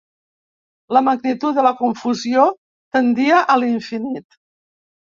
La magnitud de la confusió tendia a l'infinit.